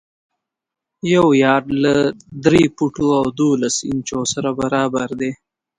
یو یارډ له درې فوټو او دولس انچو سره برابر دی.